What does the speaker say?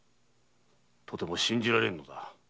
とても信じられぬのだ。